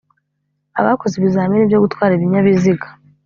Abakoze ibizamini byo gutwara ibinyabiziga